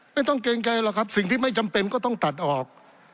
เกรงใจหรอกครับสิ่งที่ไม่จำเป็นก็ต้องตัดออก